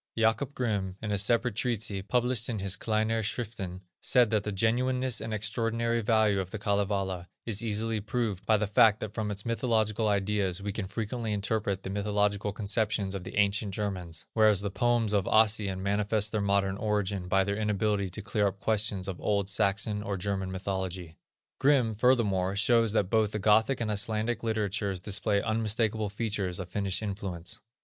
Jacob Grimm, in a separate treatise, published in his Kleinere Schriften, said that the genuineness and extraordinary value of the Kalevala is easily proved by the fact that from its mythological ideas we can frequently interpret the mythological conceptions of the ancient Germans, whereas the poems of Ossian manifest their modern origin by their inability to clear up questions of old Saxon or German mythology. Grimm, furthermore, shows that both the Gothic and Icelandic literatures display unmistakable features of Finnish influence.